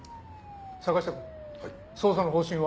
坂下君捜査の方針は？